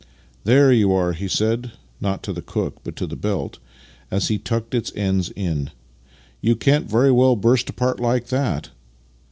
" There you are! " he said (not to the cook but to the belt) as he tucked its ends in. " You can't very well burst apart like that."